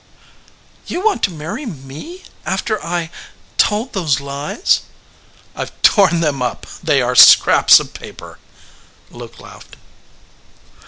"You want to marry me after I told those lies?" "I ve torn them up. They are scraps of paper." Luke laughed.